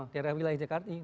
daerah wilayah jakarta ini